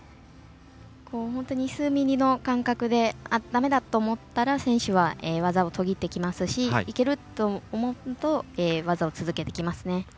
数ミリの感覚でだめだと思ったら選手は技を途切ってきますしいける！と思うと技を続けてきますね。